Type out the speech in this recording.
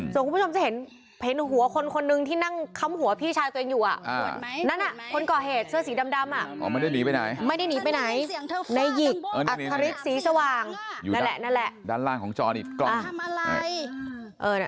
สีสว่างนั่นแหละนั่นแหละด้านล่างของจอดิตกล้องเออเออน่ะ